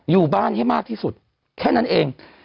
อยู่บ้านให้มากที่สุดแค่นั้นเอง